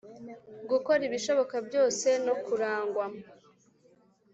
gukora ibishoboka byose no kurangwa